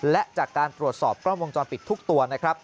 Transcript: และจากการตรวจสอบกล้องวงจรปิดทุกตัวนะครับ